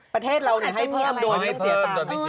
ประเทศเราให้เพิ่มโดยไม่เสียตังค์